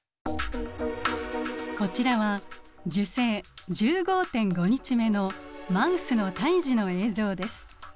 こちらは受精１５．５日目のマウスの胎児の映像です。